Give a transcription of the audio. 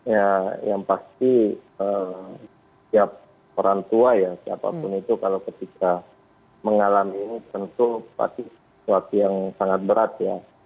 ya yang pasti tiap orang tua ya siapapun itu kalau ketika mengalami ini tentu pasti suatu yang sangat berat ya